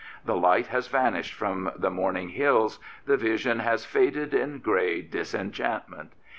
The light has vanished from the morning hills, the vision has faded in grey disenchantment.